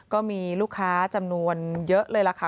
ก็มีลูกค้าจำนวนเยอะเลยล่ะค่ะ